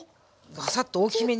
バサッと大きめに。